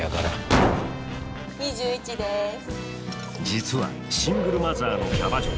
実はシングルマザーのキャバ嬢。